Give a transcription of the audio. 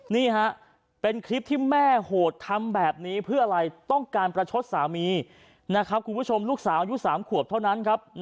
นี่ฮะเป็นคลิปที่แม่โหดทำแบบนี้เพื่ออะไรต้องการประชดสามีนะครับคุณผู้ชมลูกสาวอายุ๓ขวบเท่านั้นครับ